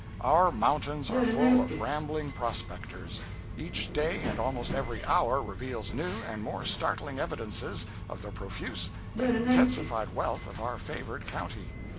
Our mountains are full of rambling prospectors. Each day and almost every hour reveals new and more startling evidences of the profuse and intensified wealth of our favored county.